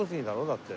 だって。